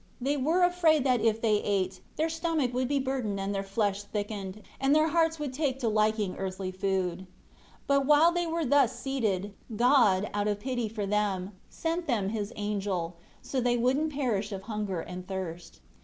They were afraid that if they ate, their stomach would be burdened and their flesh thickened, and their hearts would take to liking earthly food. 5 But while they were thus seated, God, out of pity for them, sent them His angel, so they wouldn't perish of hunger and thirst.